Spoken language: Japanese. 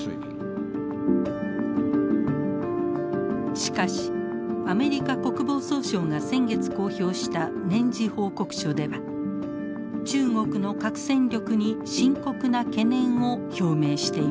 しかしアメリカ国防総省が先月公表した年次報告書では中国の核戦力に深刻な懸念を表明しています。